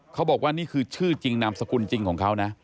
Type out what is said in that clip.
เขาบอกว่านี่คือชื่อจริงนามสกุลจริงของเขานะ